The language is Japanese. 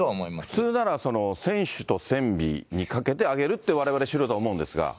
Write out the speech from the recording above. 普通なら、船首と船尾にかけて上げるって、われわれ素人は思うんですが。